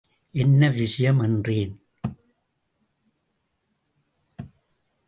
என்ன விஷயம் என்றேன்.